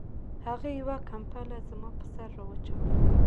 هغې یوه کمپله زما په سر را واچوله